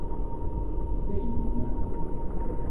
Size iyi günler dilerim.